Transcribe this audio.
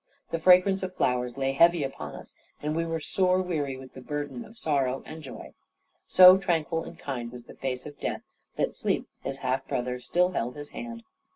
The fragrance of flowers lay heavy upon us, and we were sore weary with the burden of sorrow and joy. So tranquil and kind was the face of death, that sleep, his half brother, still held his hand.